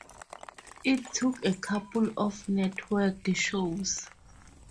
It took a couple of Networked shows.